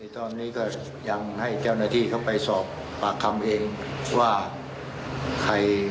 ตอนนี้ก็ยังให้เจ้าหน้าที่เข้าไปสอบว่า